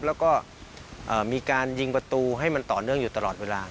แล้วก็มีการยิงประตูให้มันต่อเนื่องอยู่ตลอดเวลา